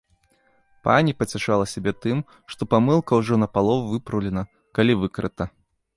Пані пацяшала сябе тым, што памылка ўжо напалову выпраўлена, калі выкрыта.